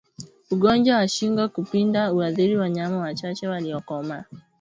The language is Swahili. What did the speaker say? Ugonjwa wa shingo kupinda huathiri wanyama wachache waliokomaa